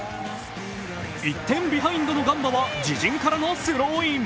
１点ビハインドのガンバは自陣からのスローイン。